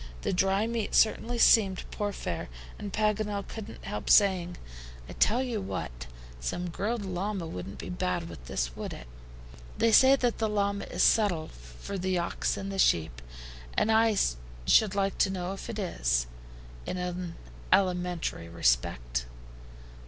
The dry meat certainly seemed poor fare, and Paganel couldn't help saying: "I tell you what, some grilled llama wouldn't be bad with this, would it? They say that the llama is substitute for the ox and the sheep, and I should like to know if it is, in an alimentary respect."